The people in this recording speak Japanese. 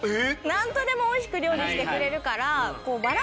何とでもおいしく料理してくれるから。